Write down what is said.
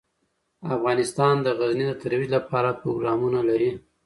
افغانستان د غزني د ترویج لپاره پروګرامونه لري.